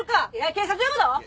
警察呼ぶど？